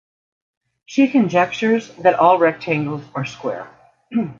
She conjectures that "All rectangles are squares".